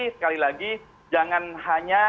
sekali lagi jangan hanya